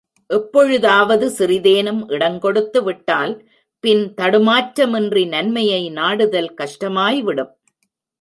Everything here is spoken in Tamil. எப்பொழுதாவது சிறிதேனும் இடங்கொடுத்து விட்டால் பின் தடுமாற்றமின்றி நன்மையை நாடுதல் கஷ்டமாய்விடும்.